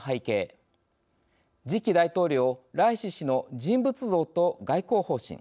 次期大統領ライシ師の人物像と外交方針。